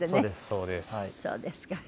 そうですか。